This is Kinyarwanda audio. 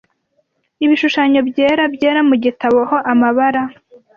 Ibishushanyo-byera-byera mugitabo aho amabara